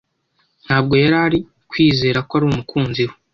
Ntabwo yarari kwizera ko ari umukunzi we